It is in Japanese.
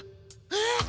えっ？